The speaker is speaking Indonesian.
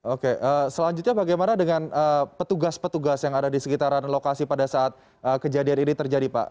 oke selanjutnya bagaimana dengan petugas petugas yang ada di sekitaran lokasi pada saat kejadian ini terjadi pak